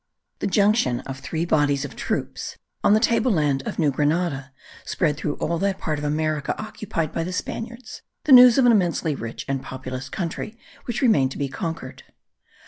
The junction of three bodies of troops on the table land of New Granada spread through all that part of America occupied by the Spaniards the news of an immensely rich and populous country which remained to be conquered.